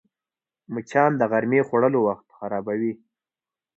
مچان د غرمې خوړلو وخت خرابوي